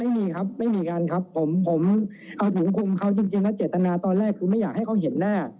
ไม่มีครับไม่มีกันครับผมผมเอาถุงคุมเขาจริงแล้วเจตนาตอนแรกคือไม่อยากให้เขาเห็นหน้า